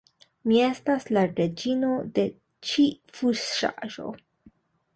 Mi estas la reĝino de ĉi fuŝaĵo